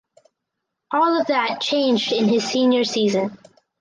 All of that changed in his senior season.